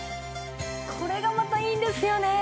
これがまたいいんですよね！